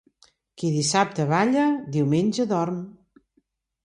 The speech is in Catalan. Qui dissabte balla, diumenge dorm.